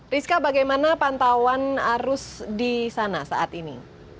rizka bagaimana pantauan arus di sana saat ini